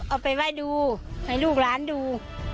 เอาไปไหว้ดูให้ลูกหลานดู